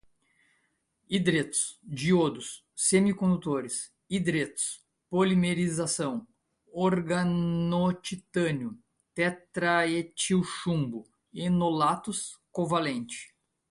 hidretos, diodos, semicondutores, hidretos, polimerização, organotitânio, tetraetilchumbo, enolatos, covalente